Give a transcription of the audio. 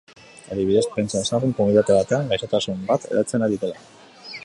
Adibidez, pentsa dezagun komunitate batean gaixotasun bat hedatzen ari dela.